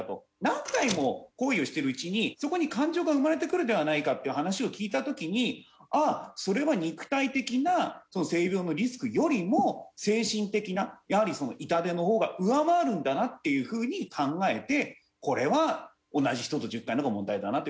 何回も行為をしているうちにそこに感情が生まれてくるではないかっていう話を聞いた時にああそれは肉体的な性病のリスクよりも精神的なやはりその痛手の方が上回るんだなっていうふうに考えてこれは同じ人と１０回の方が問題だなというふうに変わったと。